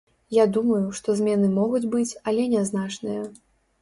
Я думаю, што змены могуць быць, але нязначныя.